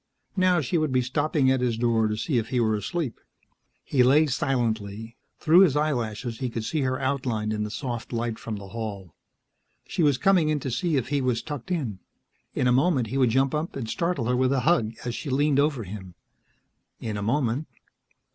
Now she would be stopping at his door to see if he were asleep. He lay silently; through his eyelashes he could see her outlined in the soft light from the hall. She was coming in to see if he was tucked in. In a moment he would jump up and startle her with a hug, as she leaned over him. In a moment....